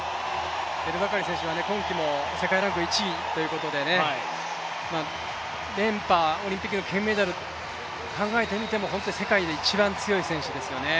エルバカリ選手は今季も、世界ランク１位ということで連覇、オリンピックの金メダル考えてみても世界で一番強い選手ですよね。